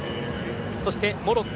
そしてモロッコ